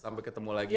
sampai ketemu lagi